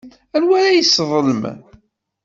Anwa ara yesseḍlem?